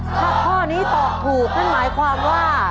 ถ้าข้อนี้ตอบถูกนั่นหมายความว่า